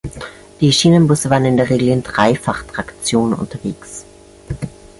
Die Schienenbusse waren in der Regel in Dreifachtraktion unterwegs.